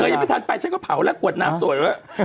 เธอยังไม่ทันไปฉันก็เผาแล้วกวดน้ำสวยออกแล้ว